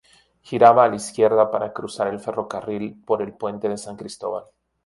Giraba a la izquierda para cruzar el ferrocarril por el Puente de San Cristóbal.